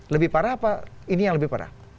lebih parah apa ini yang lebih parah